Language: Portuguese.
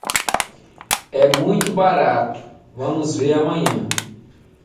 É muito barato, vamos ver amanhã.